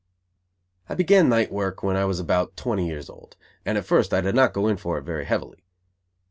I began night work when I was about twenty years old, and at first I did not go in for it very heavily.